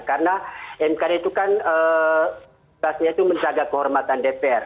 karena mkd itu kan persidangan itu menjaga kehormatan dpr